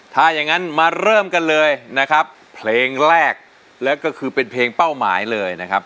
ถ้าอย่างนั้นมาเริ่มกันเลยนะครับเพลงแรกแล้วก็คือเป็นเพลงเป้าหมายเลยนะครับ